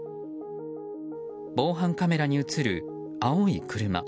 防犯カメラに映る青い車。